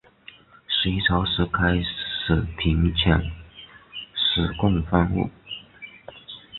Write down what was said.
隋朝时开始频遣使贡方物。